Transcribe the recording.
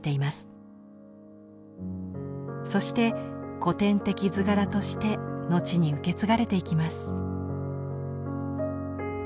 そして古典的図柄として後に受け継がれていきます。